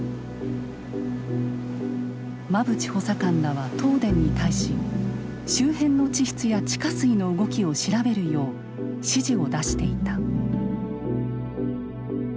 馬淵補佐官らは東電に対し周辺の地質や地下水の動きを調べるよう指示を出していた。